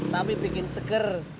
tapi bikin seger